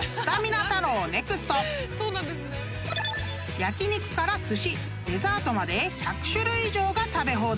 ［焼き肉からすしデザートまで１００種類以上が食べ放題］